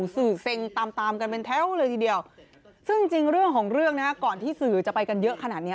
สื่อเซ็งตามตามกันเป็นแถวเลยทีเดียวซึ่งจริงเรื่องของเรื่องนะก่อนที่สื่อจะไปกันเยอะขนาดนี้